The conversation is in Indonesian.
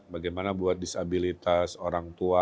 bagaimana buat disabilitas orang tua